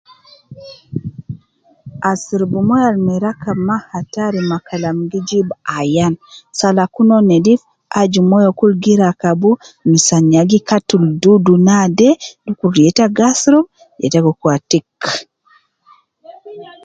Asurubu moyo Al ma rakabu maa hatari ma Kalam ke gi jibu Ayan. Aju myo kede rakabu misan ya gi katulu dudu naade ye ta gi asurub ye ta gi Kun tick.